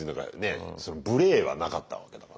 その無礼はなかったわけだから。